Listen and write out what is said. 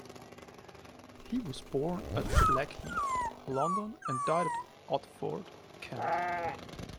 He was born at Blackheath, London and died at Otford, Kent.